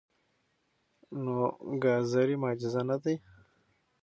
نو ګازرې معجزه نه دي.